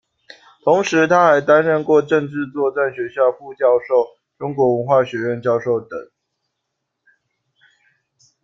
同时，他还担任过政治作战学校副教授、中国文化学院教授等。